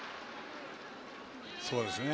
そうですね。